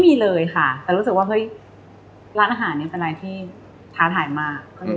เลยค่ะแต่รู้สึกว่าเฮ้ยร้านอาหารนี้เป็นอะไรที่ท้าทายมาก